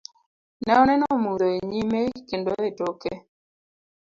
Ne oneno mudho enyime kendo e toke.